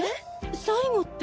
最後って。